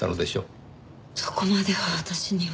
そこまでは私には。